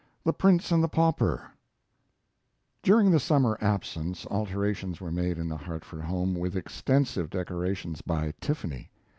"THE PRINCE AND THE PAUPER" During the summer absence alterations were made in the Hartford home, with extensive decorations by Tiffany.